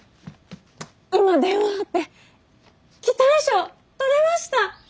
今電話あって期待賞取れました！